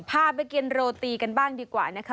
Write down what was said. พาไปกินโรตีกันบ้างดีกว่านะคะ